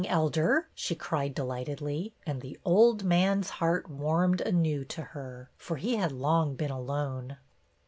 Elder," she cried delightedly ; and the old man's heart warmed anew to her, for he had long been alone.